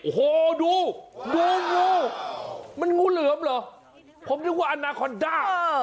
โอ้โหดูงูมันงูเหลือมเหรอผมนึกว่าอนาคอนด้า